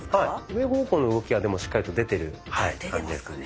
上方向の動きはでもしっかりと出てる感じですね。